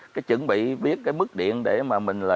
cái chuẩn bị biết cái mức điện để mà mình là